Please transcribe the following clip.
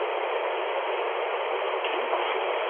えっ？凛子さんが！？